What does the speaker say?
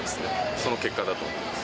その結果だと思います。